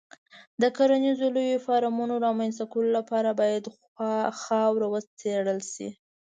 د کرنیزو لویو فارمونو رامنځته کولو لپاره باید خاوره وڅېړل شي.